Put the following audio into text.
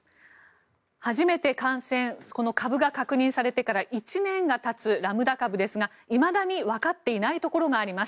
初めて株が確認されてから１年がたつラムダ株ですがいまだにわかっていないところがあります。